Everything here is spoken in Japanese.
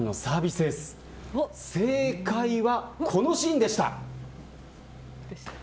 正解はこのシーンでした。